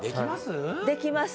できます？